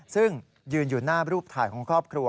ซึ่งยืนอยู่หน้ารูปถ่ายของครอบครัว